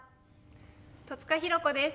戸塚寛子です。